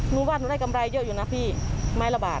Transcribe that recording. หนูว่าหนูได้กำไรเยอะอยู่นะพี่ไม้ละบาท